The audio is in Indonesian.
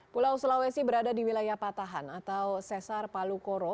pulau sulawesi berada di wilayah patahan atau sesar palu koro